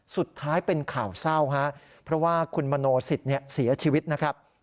สุดท้ายเป็นข่าวเศร้าครับเพราะว่าคุณมโนสิตเสียชีวิตนะครับ